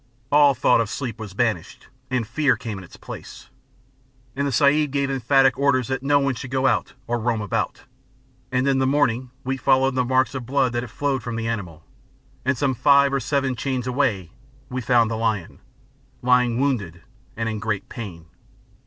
All thought of sleep was banished, and fear came in its place: And the Sahib gave emphatic orders that no one should go out, or roam about. And in the morning we followed the marks of blood that had flowed from the wounded animal, And some five or seven chains away, we found the lion, lying wounded and in great pain.